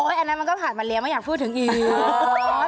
อันนั้นมันก็ผ่านมาแล้วไม่อยากพูดถึงอีก